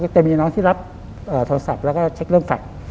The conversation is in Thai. จะมีน้องที่รับโทรศัพท์แล้วก็เช็คเรื่องฝาก